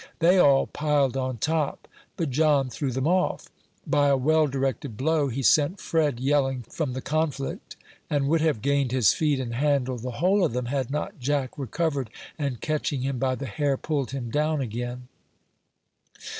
They all piled on top, but John threw them off. By a well directed blow he sent Fred yelling from the conflict, and would have gained his feet and handled the whole of them, had not Jack recovered, and, catching him by the hair, pulled him down again.